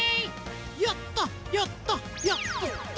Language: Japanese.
やったやったやったった！